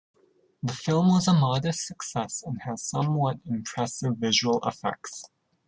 The film was a modest success and has somewhat impressive visual effects.